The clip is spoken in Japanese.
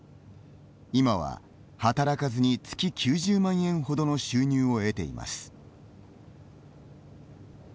今は働かずに、月９０万円ほどの収入を得ています。